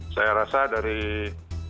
saya rasa dari beberapa